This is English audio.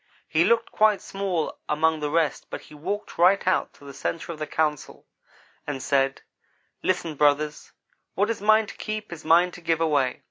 He looked quite small among the rest but he walked right out to the centre of the council and said: "'Listen, brothers what is mine to keep is mine to give away.